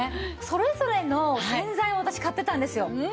それぞれの洗剤を私買ってたんですよ。